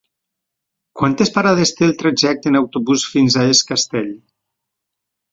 Quantes parades té el trajecte en autobús fins a Es Castell?